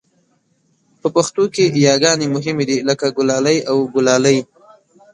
په پښتو کې یاګانې مهمې دي لکه ګلالی او ګلالۍ